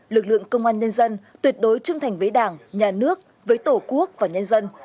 lực lượng công an nhân dân tuyệt đối trung thành với đảng nhà nước với tổ quốc và nhân dân